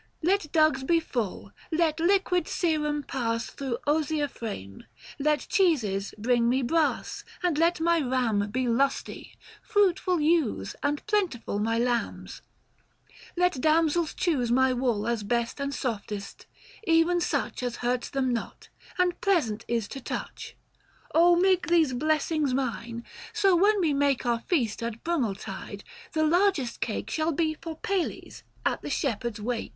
Let dugs be full, let liquid serum pass Thro' osier frame, — let cheeses bring me brass, And let my ram be lusty, — fruitful ewes, 890 And plentiful my lambs; let damsels choose My wool as best and softest, even such As hurts them not, and pleasant is to touch : Oh make these blessings mine, so when we make Our feast at Brumaltide, the largest cake 895 Shall be for Pales, at the shepherds' wake."